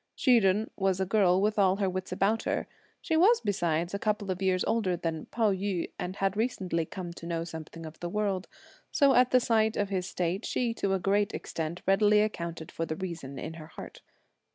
Hsi Jen was a girl with all her wits about her; she was besides a couple of years older than Pao yü and had recently come to know something of the world, so that at the sight of his state, she to a great extent readily accounted for the reason in her heart.